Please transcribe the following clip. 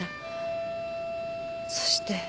そして。